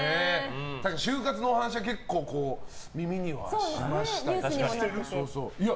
終活のお話は、結構耳にはしましたね。